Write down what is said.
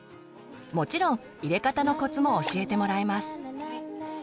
もちろん入れ方のコツも教えてもらえます。